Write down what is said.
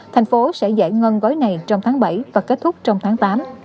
thành phố sẽ giải ngân gói này trong tháng bảy và kết thúc trong tháng tám